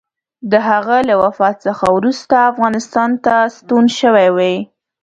د هغه له وفات څخه وروسته افغانستان ته ستون شوی وي.